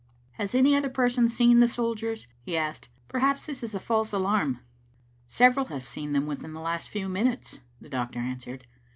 " Has any other person seen the soldiers?" he asked. " Perhaps this is a false alarm." "Several have seen them within the last few min utes," the doctor answered.